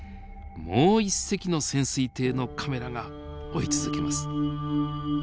もう一隻の潜水艇のカメラが追い続けます。